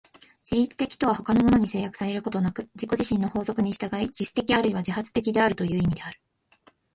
自律的とは他のものに制約されることなく自己自身の法則に従い、自主的あるいは自発的であるという意味である。